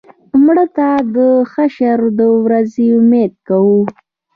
مړه ته د حشر د ورځې امید کوو